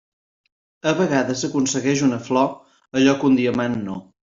A vegades aconsegueix una flor allò que un diamant no.